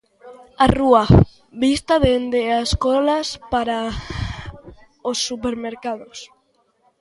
A rúa, vista dende as colas para os supermercados.